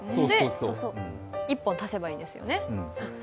１本足せばいいんですよね？